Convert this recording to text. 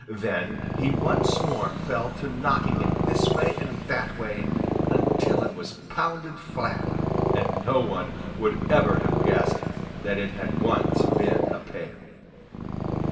Then he once more fell to knocking it this way and that way, until it was pounded flat, and no one would ever have guessed that it had once been a pail.